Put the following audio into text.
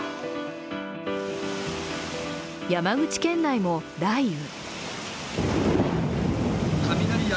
山口県内も雷雨。